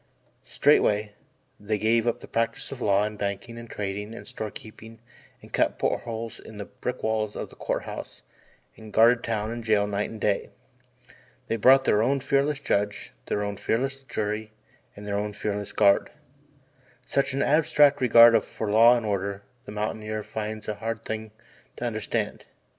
Straightway, they gave up the practice of law and banking and trading and store keeping and cut port holes in the brick walls of the Court House and guarded town and jail night and day. They brought their own fearless judge, their own fearless jury and their own fearless guard. Such an abstract regard for law and order the mountaineer finds a hard thing to understand.